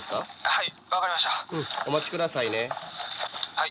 はい。